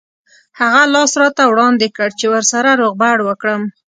هغه لاس راته وړاندې کړ چې ورسره روغبړ وکړم.